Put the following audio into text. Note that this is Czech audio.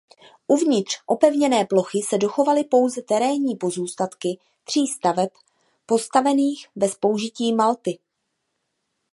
Uvnitř opevněné plochy se dochovaly pouze terénní pozůstatky tří staveb postavených bez použití malty.